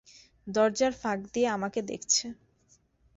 দরজার ফাঁক দিয়ে আমাকে দেখছে।